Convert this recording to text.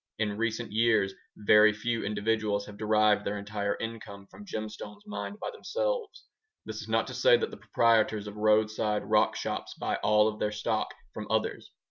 In recent years, very few individuals have derived their entire income from gemstones mined by themselves. This is not to say that the proprietors of roadside rock shops buy all of their stock from others.